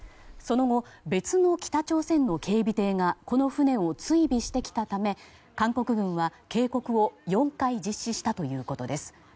その後、別の北朝鮮の警備艇がこの船を追尾してきたため韓国軍は警告を４回実施したということです。